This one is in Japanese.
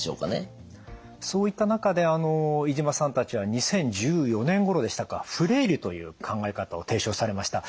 そういった中で飯島さんたちは２０１４年ごろでしたかフレイルという考え方を提唱されました。